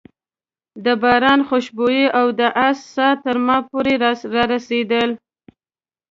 د باران خوشبو او د آس ساه تر ما پورې رارسېدل.